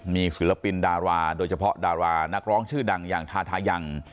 มีศิลปินดาราโดยเฉพาะดารานักร้องชื่อดังอย่างทาทายัง